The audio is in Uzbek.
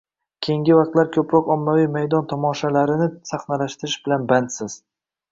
— Keyingi vaqtlar ko‘proq ommaviy maydon tomoshalarini sahnalashtirish bilan bandsiz.